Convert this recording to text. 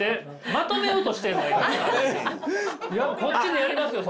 いやこっちでやりますよ！